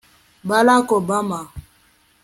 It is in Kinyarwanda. barack obama